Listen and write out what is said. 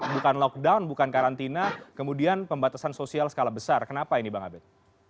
bukan lockdown bukan karantina kemudian pembatasan sosial skala besar kenapa ini bang abed